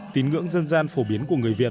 tín ngưỡng dân gian phổ biến của người việt